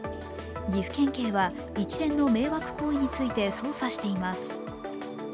岐阜県警は一連の迷惑行為について捜査しています。